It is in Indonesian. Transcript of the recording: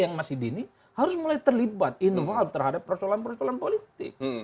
yang masih dini harus mulai terlibat innoval terhadap persoalan persoalan politik